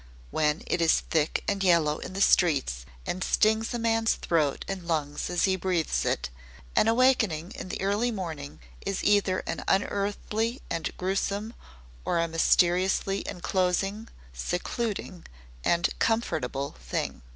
When it is thick and yellow in the streets and stings a man's throat and lungs as he breathes it, an awakening in the early morning is either an unearthly and grewsome, or a mysteriously enclosing, secluding, and comfortable thing.